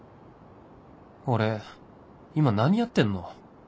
俺今何やってんの？